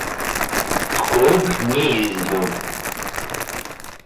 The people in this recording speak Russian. В клуб не ездил.